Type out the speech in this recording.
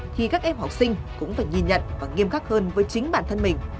thì các em học sinh cũng phải nhìn nhận và nghiêm khắc hơn với chính bản thân mình